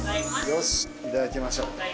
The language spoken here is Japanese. よしいただきましょう。